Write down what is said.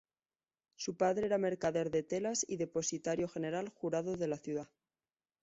Su padre era mercader de telas y Depositario General jurado de la ciudad.